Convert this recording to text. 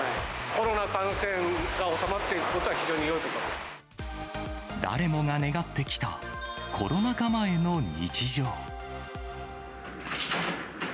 コロナ感染が収まっていることは、誰もが願ってきたコロナ禍前の日常。